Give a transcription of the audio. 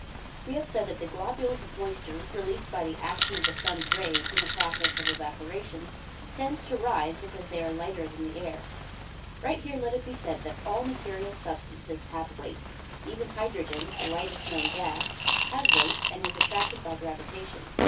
We have said that globules of moisture, released by the action of the sun's rays in the process of evaporation, tend to rise because they are lighter than the air. Right here let it be said that all material substances have weight; even hydrogen, the lightest known gas, has weight, and is attracted by gravitation.